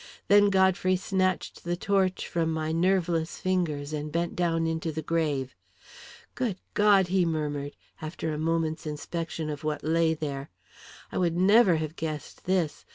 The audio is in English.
Then Godfrey snatched the torch from my nerveless fingers, and bent down into the grave. "Good God!" he murmured, after a moment's inspection of what lay there. "I would never have guessed this!